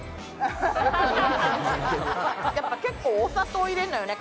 やっぱ結構お砂糖入れんのよね